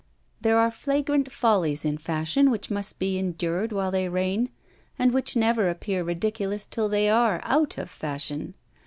There are flagrant follies in fashion which must be endured while they reign, and which never appear ridiculous till they are out of fashion.